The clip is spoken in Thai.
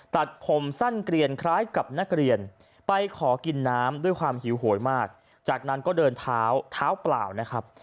ตัดผมสั้นเกลียนคล้ายกับนักเรียนไปขอกินน้ำด้วยความหิวโหยมากจากนั้นก็เดินเท้าเท้าเปล่านะครับ